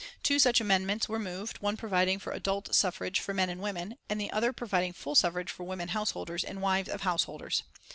Two such amendments were moved, one providing for adult suffrage for men and women, and the other providing full suffrage for women householders and wives of householders.